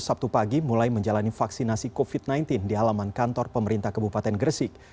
sabtu pagi mulai menjalani vaksinasi covid sembilan belas di halaman kantor pemerintah kebupaten gresik